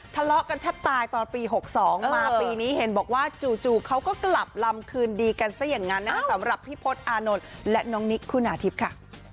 ทะเลาะกันแทบตายตอนปี๖๒มาปีนี้เห็นบอกว่าจู่เขาก็กลับลำคืนดีกันซะอย่างนั้นนะคะสำหรับพี่พศอานนท์และน้องนิกคุณาทิพย์ค่ะ